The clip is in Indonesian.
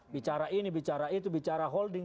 bicara ini bicara itu bicara holding